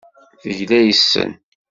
Tegla yes-sen.